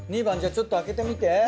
２番じゃちょっと開けてみて。